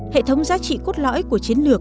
hệ thống giá trị cốt lõi của chiến lược